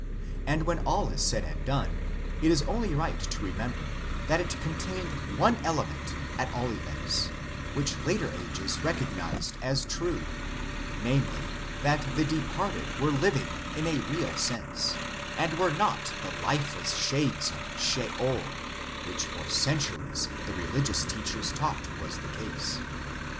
And when all is said and done, it is only right to remember that it con tained one element, at all events, which later ages recognized as true, namely that the departed were living in a real sense, and were not the lifeless shades of Sheol which for centuries the religious teachers taught was the case.